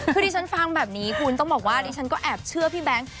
คือที่ฉันฟังแบบนี้คุณต้องบอกว่าดิฉันก็แอบเชื่อพี่แบงค์